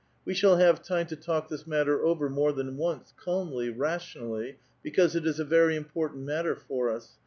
We shall have time to talk this matter over more than once, calmly, rationally, because it is * Very important matter for us.